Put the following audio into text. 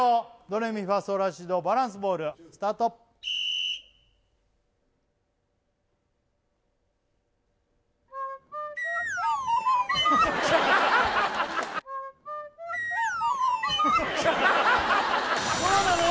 ドレミファソラシドバランスボールどうなの？